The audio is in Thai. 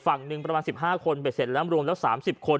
ฝั่งหนึ่งประมาณสิบห้าคนไปเสร็จแล้วรวมแล้วสามสิบคน